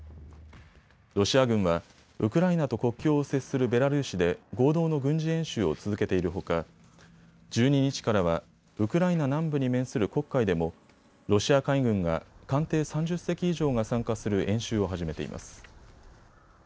ロシア軍はウクライナと国境を接するベラルーシで合同の軍事演習を続けているほか１２日からはウクライナ南部に面する黒海でもロシア海軍が艦艇３０隻以上が参加する演習を始めています。